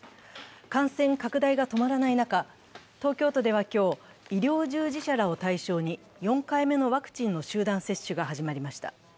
感染拡大が止まらない中、東京都では今日、医療従事者らを対象に４回目のワクチンの集団接種が始まりました。